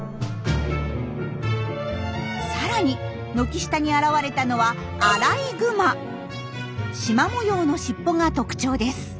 さらに軒下に現れたのはしま模様の尻尾が特徴です。